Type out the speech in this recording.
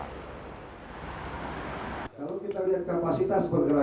lalu kita lihat kapasitas bergerak